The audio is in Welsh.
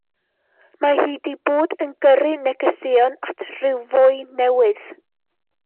Mae hi 'di bod yn gyrru negeseuon at ryw foi newydd.